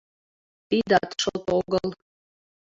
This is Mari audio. — Тидат шот огыл.